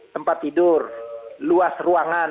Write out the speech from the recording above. tempat tidur luas ruangan